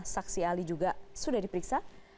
saksi ahli juga sudah diperiksa